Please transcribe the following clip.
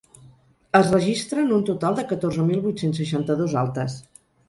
Es registren un total de catorze mil vuit-cents seixanta-dos altes.